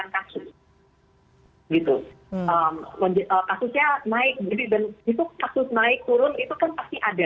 kasus naik turun itu kan pasti ada